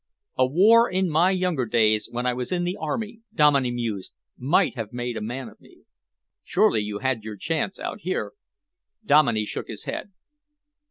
"A war in my younger days, when I was in the Army," Dominey mused, "might have made a man of me." "Surely you had your chance out here?" Dominey shook his head.